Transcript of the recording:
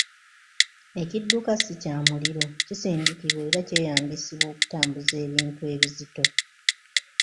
Ekidduka si kya muliro kisindikibwa era kyeyambisibwa okutambuza ebintu ebizito